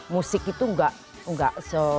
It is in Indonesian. musik itu enggak